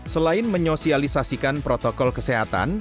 selain menyosialisasikan protokol kesehatan